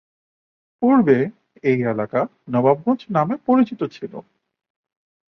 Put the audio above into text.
পূর্বে এই এলাকা নবাবগঞ্জ নামে পরিচিত ছিল।